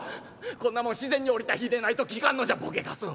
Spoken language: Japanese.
こんなもん自然に下りた火でないと効かんのじゃボケカス。